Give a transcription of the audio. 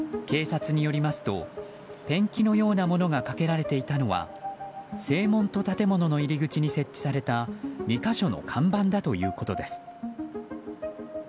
警察によりますとペンキのようなものがかけられていたのは正門と建物の入り口に設置された２か所の看板だということです。